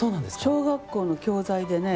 小学校の教材でね